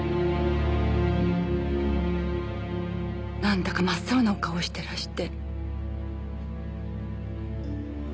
なんだか真っ青なお顔をしてらして。